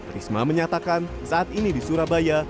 risma menyatakan saat ini di surabaya